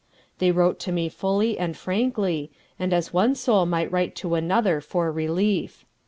They wrote to me fully and frankly, and as one soul might write to another for relief.